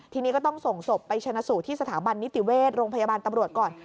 ทีนี้ก็ต้องส่งศพไปชนะสูตรที่สถาบันนิติเวชโรงพยาบาลตำรวจก่อน